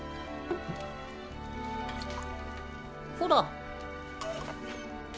ほら？